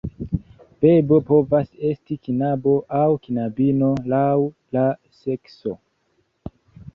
Bebo povas esti knabo aŭ knabino, laŭ la sekso.